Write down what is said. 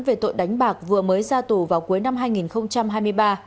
về tội đánh bạc vừa mới ra tù vào cuối năm hai nghìn hai mươi ba